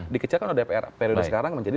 dikecilkan oleh dpr periode sekarang menjadi